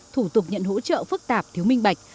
thủ tục nhận hỗ trợ phức tạp thiếu minh bạch